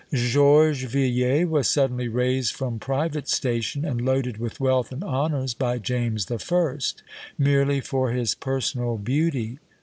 George Villiers was suddenly raised from private station, and loaded with wealth and honours by James the First, merely for his personal beauty.